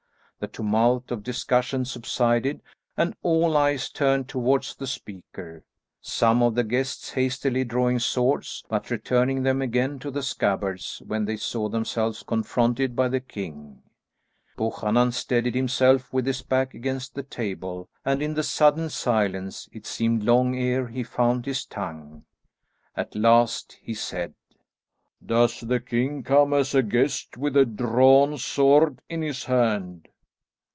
The tumult of discussion subsided, and all eyes turned towards the speaker, some of the guests hastily drawing swords but returning them again to the scabbards when they saw themselves confronted by the king. Buchanan steadied himself with his back against the table, and in the sudden silence it seemed long ere he found his tongue. At last he said, "Does the king come as a guest with a drawn sword in his hand?"